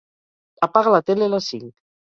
Apaga la tele a les cinc.